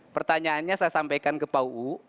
pertanyaannya saya sampaikan ke pak uu